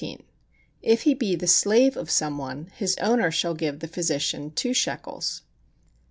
If he be the slave of some one, his owner shall give the physician two shekels.